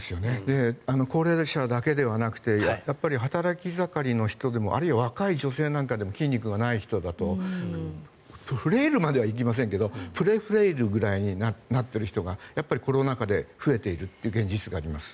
高齢者だけじゃなくて働き盛りの人、若い女性の人でも筋肉がない人だとフレイルまではいきませんけどプレフレイルぐらいになっている人がコロナ禍で増えているという現実があります。